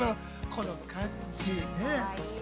この感じ。